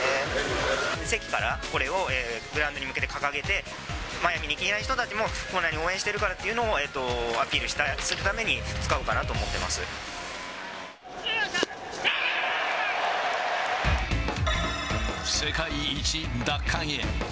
席から、これをグラウンドに掲げて、マイアミにいない人たちも、応援してるからっていうのをアピールするために使おうかなと思っ世界一奪還へ。